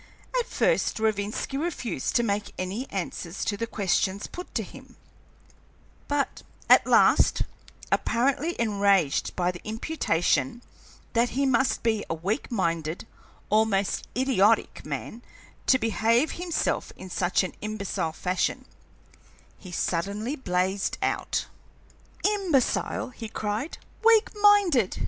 At first Rovinski refused to make any answers to the questions put to him, but at last, apparently enraged by the imputation that he must be a weak minded, almost idiotic, man to behave himself in such an imbecile fashion, he suddenly blazed out: "Imbecile!" he cried. "Weak minded!